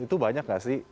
itu banyak nggak sih